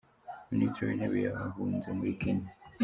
Ministri w’Intebe yahunze Muri kenya